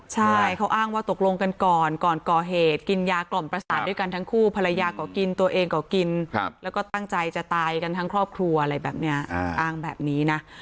ใช่เขาอ้างว่าตกลงกันก่อนก่อนก่อเหตุกินยากล่อมประสาทด้วยกันทั้งคู่ภรรยาก็กินตัวเองก็กินแล้วก็ตั้งใจจะตายกันทั้งครอบครัวอะไรแบบนี้อ้างแบบนี้นะ